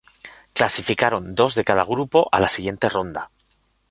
Clasificaron dos de cada grupo a la siguiente ronda.